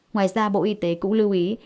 ngoài ra bộ y tế cũng lưu ý